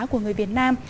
của người việt nam